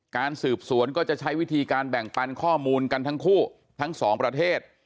การสืบสวนก็จะใช้วิธีการแบ่งปันข้อมูลกันทั้งคู่ทั้งสองประเทศ